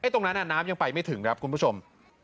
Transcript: ตรงนั้นน้ำยังไปไม่ถึงครับคุณผู้ชม